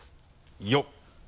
よっ。